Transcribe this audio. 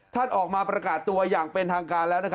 ท่านออกมาประกาศตัวอย่างเป็นทางการแล้ว